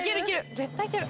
絶対行ける。